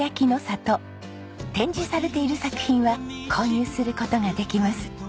展示されている作品は購入する事ができます。